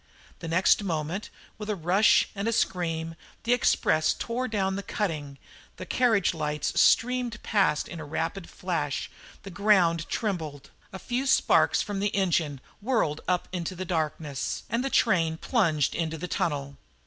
The next moment, with a rush and a scream, the express tore down the cutting, the carriage lights streamed past in a rapid flash, the ground trembled, a few sparks from the engine whirled up into the darkness, and the train plunged into the tunnel.